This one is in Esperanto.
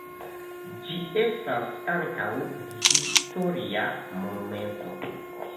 Ĝi estas ankaŭ historia monumento.